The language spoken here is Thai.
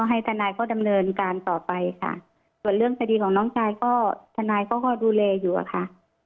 ให้ทนายเขาดำเนินการต่อไปค่ะส่วนเรื่องคดีของน้องชายก็ทนายเขาก็ดูแลอยู่อะค่ะ